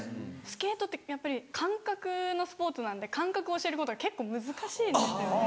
スケートってやっぱり感覚のスポーツなんで感覚を教えることが結構難しいんですよね。